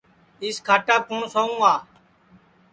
اِس کھاٹاپ کُوٹؔ سوُں گا